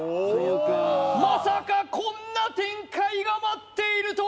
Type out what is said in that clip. まさかこんな展開が待っているとは！